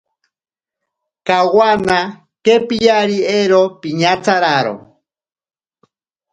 Kawana kepiyari ero piñatsararo.